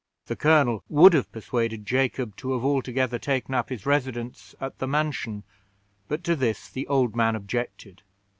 The colonel would have persuaded Jacob to have altogether taken up his residence at the mansion, but to this the old man objected.